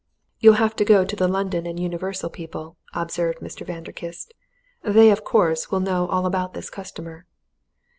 "You'll have to go to the London & Universal people," observed Mr. Vanderkiste. "They, of course, will know all about this customer."